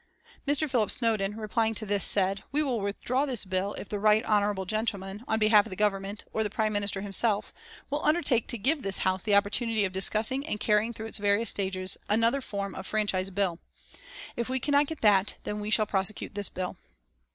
Mr. Philip Snowden, replying to this, said: "We will withdraw this bill if the Right Honourable gentleman, on behalf of the Government, or the Prime Minister himself will undertake to give to this House the opportunity of discussing and carrying through its various stages another form of franchise bill. If we cannot get that, then we shall prosecute this bill."